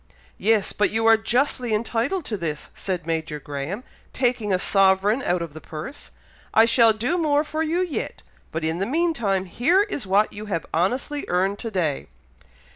"Yes! but you are justly entitled to this," said Major Graham, taking a sovereign out of the purse. "I shall do more for you yet, but in the meantime here is what you have honestly earned to day."